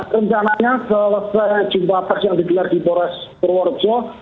rencananya selesai jumpa pers yang dilihat di bores purworejo